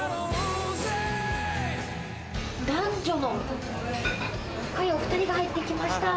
男女の若いお２人が入ってきました。